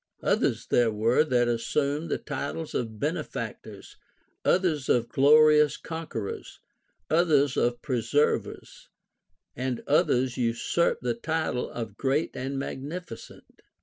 Others there were that assumed the titles of benefactors, others of glo rious conquerors, others of preservers, and others usurped the title of great and magnificent.